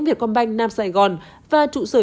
việt com banh nam sài gòn và trụ sở